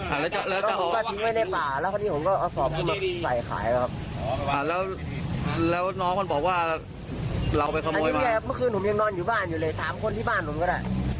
อันนี้เนี่ยฮะเมื่อคืนผมยังนอนอยู่บ้านอยู่เลยถามคนที่บ้านผมก็ได้